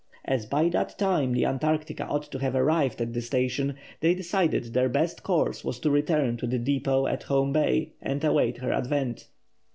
As by that time the Antarctica ought to have arrived at the station, they decided their best course was to return to the depôt at Hope Bay and await her advent.